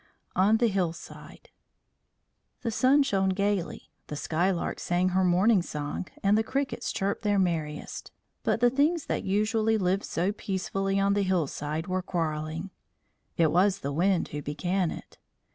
ON THE HILLSIDE The sun shone gaily, the skylark sang her morning song, and the crickets chirped their merriest; but the things that usually lived so peacefully on the hillside were quarrelling. It was the wind who began it.